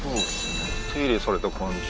手入れされた感じ